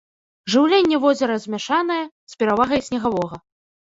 Жыўленне возера змяшанае, з перавагай снегавога.